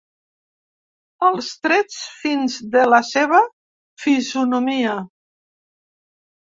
Els trets fins de la seva fisonomia.